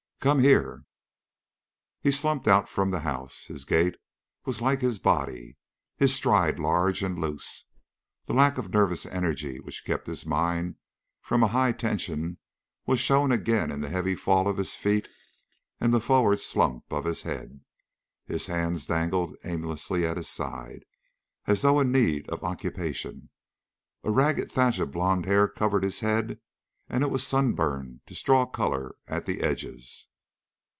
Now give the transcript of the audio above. "Come here!" He slumped out from the house. His gait was like his body, his stride large and loose. The lack of nervous energy which kept his mind from a high tension was shown again in the heavy fall of his feet and the forward slump of his head. His hands dangled aimlessly at his sides, as though in need of occupation. A ragged thatch of blond hair covered his head and it was sunburned to straw color at the edges.